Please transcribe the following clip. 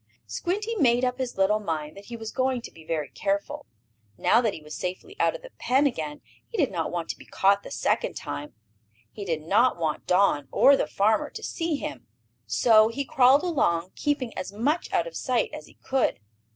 Squinty made up his little mind that he was going to be very careful. Now that he was safely out of the pen again he did not want to be caught the second time. He did not want Don, or the farmer, to see him, so he crawled along, keeping as much out of sight as he could.